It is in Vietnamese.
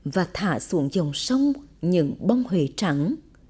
và thả xuống dòng sông những bông hề trắng